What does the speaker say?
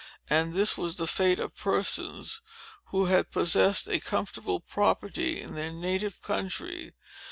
And this was the fate of persons, who had possessed a comfortable property in their native country.